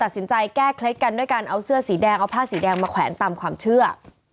สีแดงมาแขวนตามความเชื่อ